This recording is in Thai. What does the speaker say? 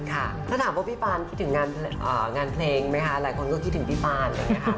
ถ้าถามว่าพี่ปานคิดถึงงานเพลงไหมคะหลายคนก็คิดถึงพี่ปาน